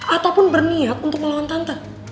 ataupun berniat untuk melawan tante